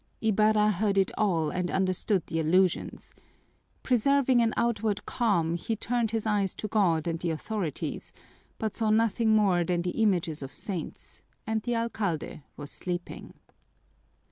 Ibarra heard it all and understood the allusions. Preserving an outward calm, he turned his eyes to God and the authorities, but saw nothing more than the images of saints, and the alcalde was sleeping.